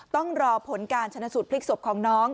ต้องรอผลการชนะสูตรพลิกศพของน้อง